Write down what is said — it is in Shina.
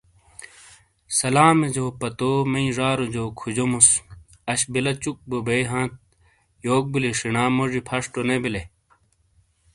سلام جو پتو مئی ژاروجو کھجومس آش بلہ چُک بو بئیی ہانت یوک بلی شنا موژی فش تو نے بلے ؟